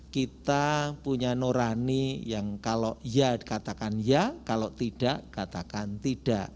kita punya nurani yang kalau ya katakan ya kalau tidak katakan tidak